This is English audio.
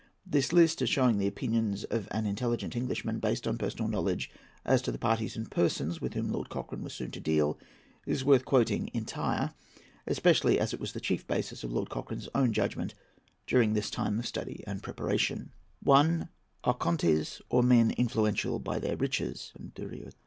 This list, as showing the opinions of an intelligent Englishman, based on personal knowledge, as to the parties and persons with whom Lord Cochrane was soon to deal, is worth quoting entire, especially as it was the chief basis of Lord Cochrane's own judgment during this time of study and preparation. I. Archontes, or men influential by their riches.